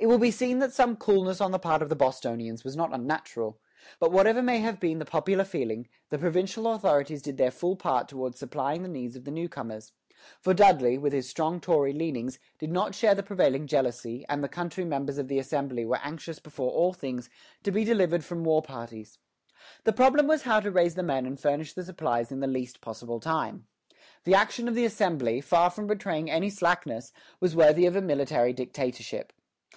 " It will be seen that some coolness on the part of the Bostonians was not unnatural. But whatever may have been the popular feeling, the provincial authorities did their full part towards supplying the needs of the new comers; for Dudley, with his strong Tory leanings, did not share the prevailing jealousy, and the country members of the Assembly were anxious before all things to be delivered from war parties. The problem was how to raise the men and furnish the supplies in the least possible time. The action of the Assembly, far from betraying any slackness, was worthy of a military dictatorship.